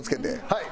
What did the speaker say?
はい。